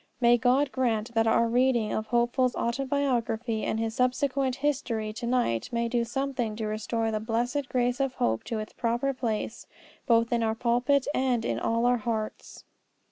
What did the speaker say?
May God grant that our reading of Hopeful's autobiography and his subsequent history to night may do something to restore the blessed grace of hope to its proper place both in our pulpit and in all our hearts.